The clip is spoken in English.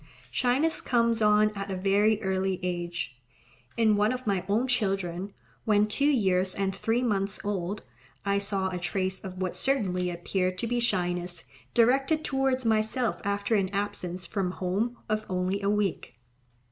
Shyness comes on at a very early age. In one of my own children, when two years and three months old, I saw a trace of what certainly appeared to be shyness, directed towards myself after an absence from home of only a week.